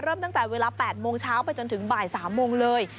ตั้งแต่เวลา๘โมงเช้าไปจนถึงบ่าย๓โมงเลย